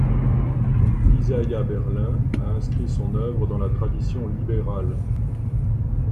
Isaiah Berlin a inscrit son œuvre dans la tradition libérale.